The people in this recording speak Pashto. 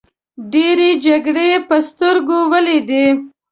ډیرې جګړې په سترګو ولیدې.